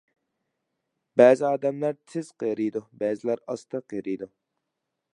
بەزى ئادەملەر تېز قېرىيدۇ، بەزىلەر ئاستا قېرىيدۇ.